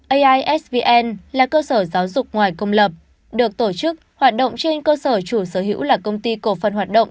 aisvn là cơ sở giáo dục ngoài công lập được tổ chức hoạt động trên cơ sở chủ sở hữu là công ty cổ phần hoạt động